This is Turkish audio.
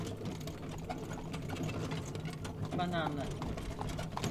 Bana anlatma.